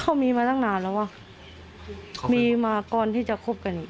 เขามีมาตั้งนานแล้วว่ะมีมาก่อนที่จะคบกัน